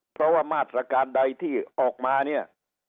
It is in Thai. เพราะว่ามาตรการใดที่ออกมาเนี่ย